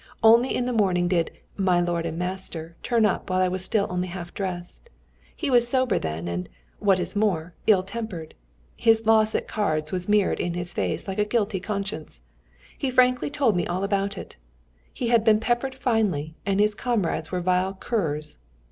Only in the morning did 'my lord and master' turn up while I was still only half dressed. He was sober then, and, what is more, ill tempered. His loss at cards was mirrored in his face like a guilty conscience. He frankly told me all about it. He had been peppered finely, and his comrades were vile curs....